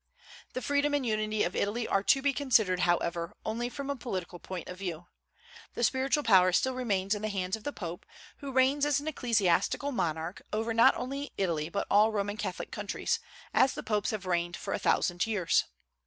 The freedom and unity of Italy are to be considered, however, only from a political point of view. The spiritual power still remains in the hands of the Pope, who reigns as an ecclesiastical monarch over not only Italy but all Roman Catholic countries, as the popes have reigned for a thousand years.